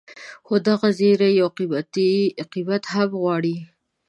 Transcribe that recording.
خو دغه زیری یو قیمت هم غواړي.